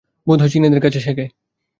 বোধ হয় চীনেদের কাছে শেখে।